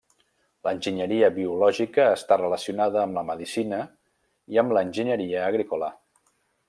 L'Enginyeria biològica està relacionada amb la medicina i amb l'enginyeria agrícola.